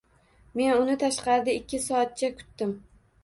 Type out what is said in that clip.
Men uni tashqarida ikki soatcha kutdim